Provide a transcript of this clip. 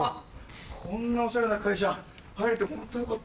こんなオシャレな会社入れてホントよかったよ。